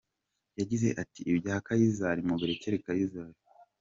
Yagize ati “ Ibya Kayizari mubirekere Kayizari.